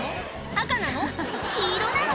赤なの？